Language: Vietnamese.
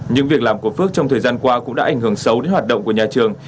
những việc làm của phước trong thời gian qua cũng đã ảnh hưởng xấu đến hoạt động của nhà trường